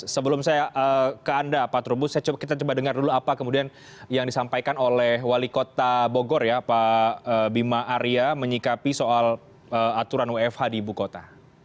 sebelum saya ke anda pak trubus kita coba dengar dulu apa kemudian yang disampaikan oleh wali kota bogor ya pak bima arya menyikapi soal aturan wfh di ibu kota